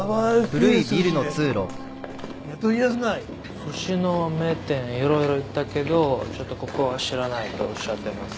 すしの名店色々行ったけどちょっとここは知らないとおっしゃってます。